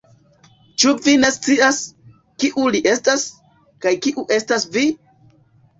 Ĉu vi ne scias, kiu li estas, kaj kiu estas vi?